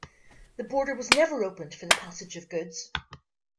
The border was never opened for the passage of goods.